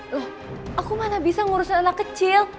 loh aku malah bisa ngurusin anak kecil